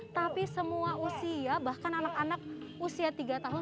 tapi semua usia bahkan anak anak usia tiga tahun